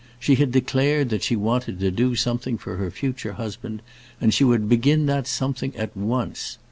She had declared that she wanted to do something for her future husband, and she would begin that something at once.